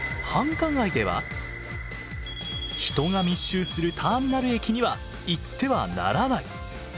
人が密集するターミナル駅には行ってはならない！